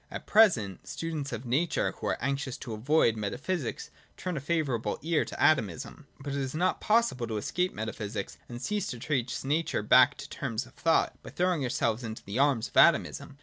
At present, students of nature who are anxious to avoid metaphysics turn a favourable ear to Atomism. But it is not possible to escape metaphysics and cease to trace nature back to terms of thought, by throwing ourselves into the arms of Atomism.